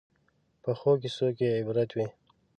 پخو کیسو کې عبرت وي